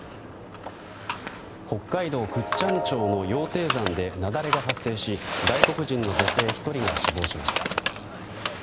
北海道倶知安町の羊蹄山で雪崩が発生し外国人の女性１人が死亡しました。